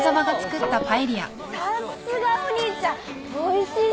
超おいしい！